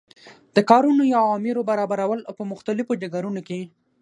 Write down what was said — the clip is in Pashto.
د کارونو یا امورو برابرول او په مختلفو ډګرونو کی